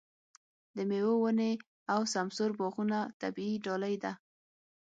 د مېوو ونې او سمسور باغونه طبیعي ډالۍ ده.